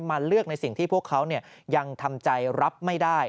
มาเลือกในสิ่งที่พวกเขายังทำใจรับไม่ได้